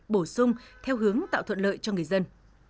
bổ sung theo hướng tạo thuận lợi cho người dân